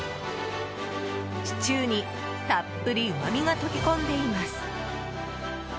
シチューに、たっぷりうまみが溶け込んでいます。